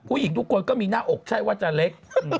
ผู้หญิงทุกคนก็มีหน้าอกใช่ว่าจะเล็ก